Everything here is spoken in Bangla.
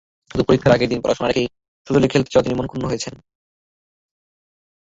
শুধু পরীক্ষার আগের দিন পড়াশোনা রেখে সজলের খেলতে যাওয়ায় তিনি মনঃক্ষুণ্ন হয়েছেন।